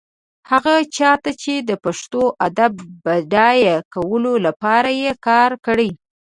هغه چا ته چې د پښتو ادب بډایه کولو لپاره يې کار کړی.